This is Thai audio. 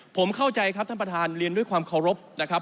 ผมเข้าใจครับท่านประธานเรียนด้วยความเคารพนะครับ